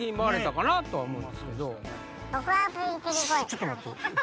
ちょっと待って。